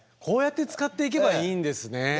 こうやって使っていけばいいんですね。